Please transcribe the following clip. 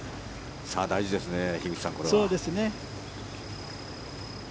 さあ、大事ですね樋口さん。